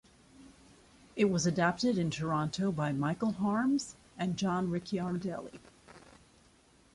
It was adapted in Toronto by Michael Harms and John Ricciardelli.